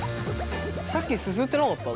さっきすすってなかった？